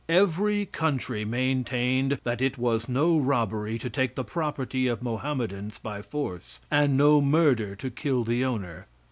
Every country maintained that it was no robbery to take the property of Mohammedans by force, and no murder to kill the owner.